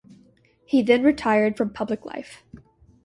He then retired from public life.